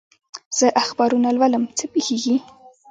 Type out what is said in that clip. زه اخبارونه لولم، څه پېښېږي؟